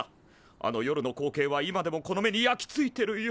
あの夜の光景は今でもこの目に焼き付いてるよ。